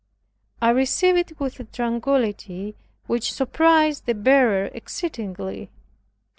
I received it with a tranquillity which surprised the bearer exceedingly.